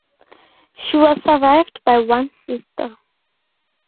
She was survived by one sister.